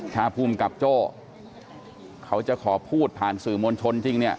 ถ้าภูมิกับโจ้เขาจะขอพูดผ่านสื่อมวลชนจริงเนี่ย